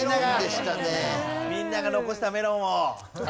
みんなが残したメロンを。